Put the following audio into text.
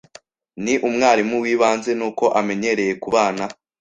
Ni umwarimu wibanze, nuko amenyereye kubana.